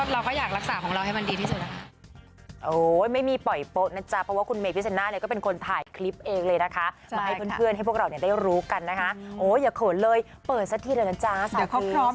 เราก็อยากรักษาของเราให้มันดีที่สุดนะคะ